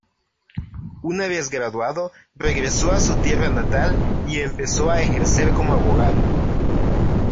Una vez graduado, regresó a su tierra natal y empezó a ejercer como abogado.